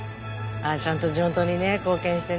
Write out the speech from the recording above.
ちゃんと地元に貢献してね。